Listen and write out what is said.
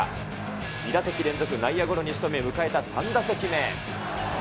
２打席連続内野ゴロにしとめ、迎えた３打席目。